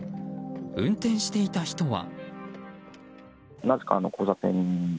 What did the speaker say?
運転していた人は。